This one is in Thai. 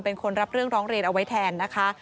เป็นคนรับเรื่องร้องเรียนเอาไว้แทนนะคะ